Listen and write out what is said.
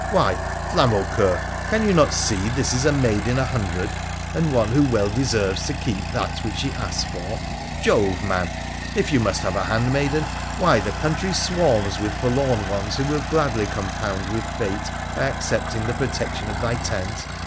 Why, Flamaucoeur, can you not see this is a maid in a hundred, and one who well deserves to keep that which she asks for ? Jove ! man, if you must have a handmaiden, why, the country swarms with for lorn ones who will gladly compound with fate by accepting the protection of thy tent.